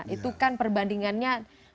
itu kan perbandingannya